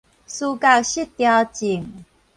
思覺失調症